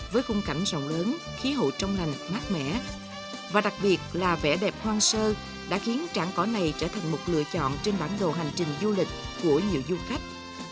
với khung cảnh rộng lớn khí hậu trong lành mát mẻ và đặc biệt là vẻ đẹp hoang sơ đã khiến trảng cỏ này trở thành một lựa chọn trên bản đồ hành trình du lịch của nhiều du khách